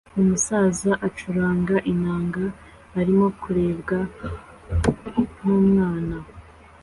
Umusaza ucuranga inanga arimo kurebwa numwana